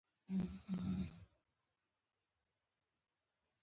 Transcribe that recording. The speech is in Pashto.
ښایي همدا د اصحاب کهف دقیق موقعیت وي.